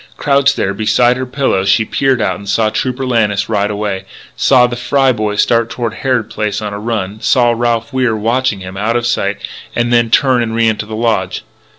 Crouched there beside her pillow she peered out and saw Trooper Lannis ride away; saw the Fry boy start toward Harrod Place on a run; saw Ralph Wier watch them out of sight and then turn and re enter the lodge.